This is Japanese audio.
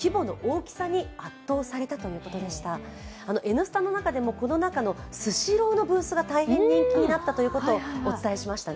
「Ｎスタ」の中でも、この中のスシローのブースが大変人気になったということをお伝えしましたね。